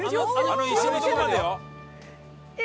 あの石のとこまでよ。